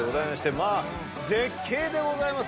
まあ絶景でございます。